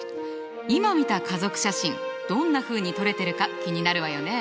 今見た家族写真どんなふうに撮れてるか気になるわよね？